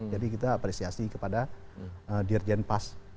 jadi kita apresiasi kepada dirjen pas